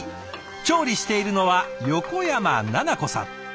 調理しているのは横山菜々子さん。